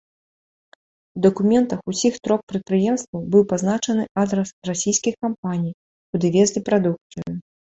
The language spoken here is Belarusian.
У дакументах ўсіх трох прадпрыемстваў быў пазначаны адрас расійскіх кампаній, куды везлі прадукцыю.